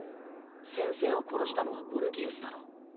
先生を殺したのはゴルギウスだろ。